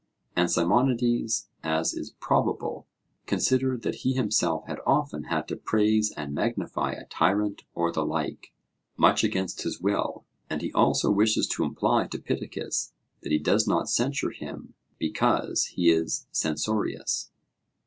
And Simonides, as is probable, considered that he himself had often had to praise and magnify a tyrant or the like, much against his will, and he also wishes to imply to Pittacus that he does not censure him because he is censorious.